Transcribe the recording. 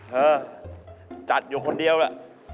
เออจัดอยู่คนเดียวแหละ